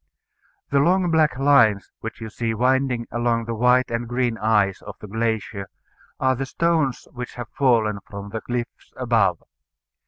The long black lines which you see winding along the white and green ice of the glacier are the stones which have fallen from the cliffs above.